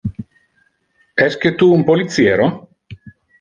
Esque tu un policiero?